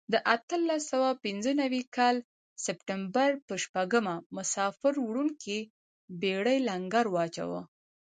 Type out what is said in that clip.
د اتلس سوه پنځه نوي کال سپټمبر په شپږمه مسافر وړونکې بېړۍ لنګر واچاوه.